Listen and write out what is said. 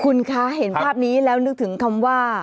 คุณคะเห็นภาพนี้แล้วนึกถึงคำว่า